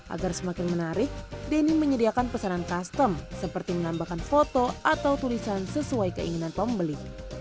agar semakin menarik denny menyediakan pesanan custom seperti menambahkan foto atau tulisan sesuai keinginan pembeli